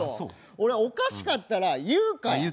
俺、おかしかったら言うから！